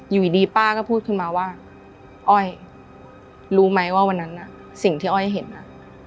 อยู่ดีป้าก็พูดขึ้นมาว่าอ้อยรู้ไหมว่าวันนั้นน่ะสิ่งที่อ้อยเห็นน่ะ